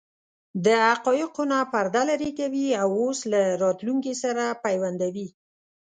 د حقایقو نه پرده لرې کوي او اوس له راتلونکې سره پیوندوي.